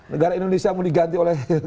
negara indonesia mau diganti oleh